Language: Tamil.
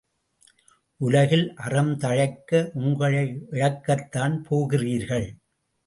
உலகில் அறம் தழைக்க உங்களை இழக்கத்தான் போகிறீர்கள்.